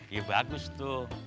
ya bagus tuh